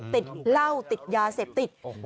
ติดเหล้าติดยาเสพติดโอ้โห